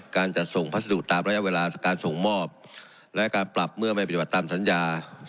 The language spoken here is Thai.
การจัดส่งพัสดุตามระยะเวลาการส่งมอบและการปรับเมื่อไม่ปฏิบัติตามสัญญา